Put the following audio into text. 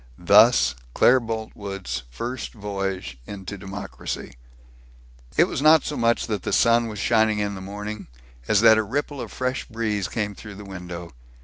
Thus Claire Boltwood's first voyage into democracy. It was not so much that the sun was shining, in the morning, as that a ripple of fresh breeze came through the window.